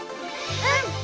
うん。